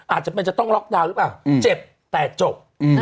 อาจจะเป็นจะต้องล็อกดาวน์หรือเปล่าเจ็บแต่จบ